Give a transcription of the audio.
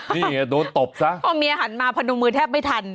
นี่โดนตบซะพอเมียหันมาพนมมือแทบไม่ทัน